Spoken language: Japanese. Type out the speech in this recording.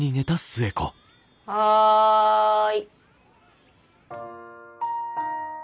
はい。